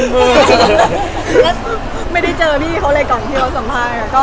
แล้วไม่ได้เจอพี่เขาเลยกล่องเที่ยวสัมภาษณ์